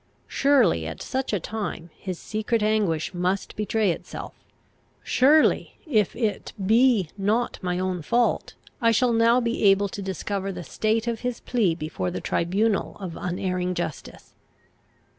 Surely at such a time his secret anguish must betray itself. Surely, if it be not my own fault, I shall now be able to discover the state of his plea before the tribunal of unerring justice.